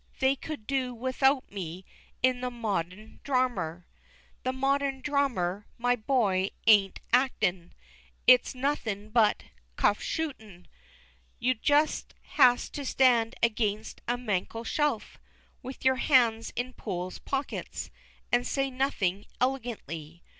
They could do without me in the modden drarmer? The modden drarmer, my boy, ain't actin'! It's nothing but "cuff shootin'." You just has to stand against a mankel shelf, with your hands in Poole's pockets, and say nothing elegantly.